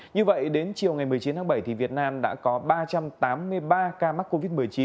như vậy đến chiều ngày một mươi chín tháng bảy việt nam đã có ba trăm tám mươi ba ca mắc covid một mươi chín